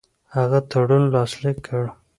هغه تړون لاسلیک کړ.